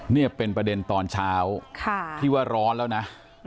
นี่เป็นประเด็นตอนเช้าที่ว่าร้อนแล้วนะ